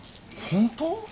本当？